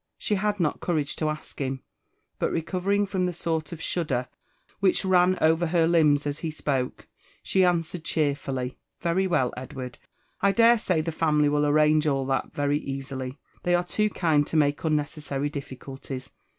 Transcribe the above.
She had not courage to ask him, but recovering from the sort of shudder which ran over her limbs as he spoke, she answered cheerfully, " Very well, Edward ; I dare say the family will arrange all (hat very easily — they are too kind to make unnecessary ditficullics.